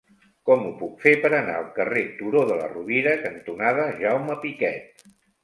Com ho puc fer per anar al carrer Turó de la Rovira cantonada Jaume Piquet?